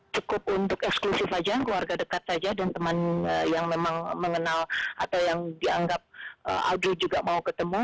cukup untuk eksklusif saja keluarga dekat saja dan teman yang memang mengenal atau yang dianggap audre juga mau ketemu